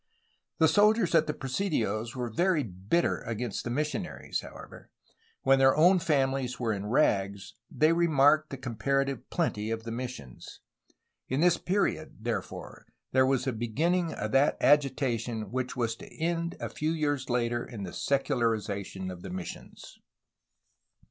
The soldiers at the presidios were very bitter against the missionaries, however. While their own families were in rags, they remarked the comparative plenty at the missions. In this period, therefore, there was a begin ning of that agitation which was to end a few years later in the secularization of the missions.